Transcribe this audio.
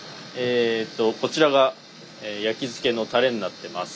こちらが焼き漬けのたれになってます。